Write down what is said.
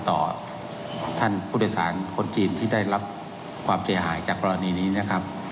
ต่อท่านผู้โดยสารคนจีนที่ได้รับความเสียหายจากกรณีนี้นะครับ